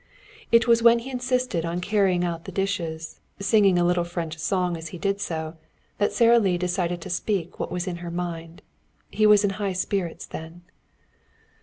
It was when he insisted on carrying out the dishes, singing a little French song as he did so, that Sara Lee decided to speak what was in her mind. He was in high spirits then.